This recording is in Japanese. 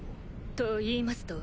といいますと？